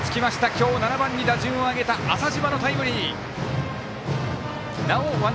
今日７番に打順を上げた浅嶋のタイムリー。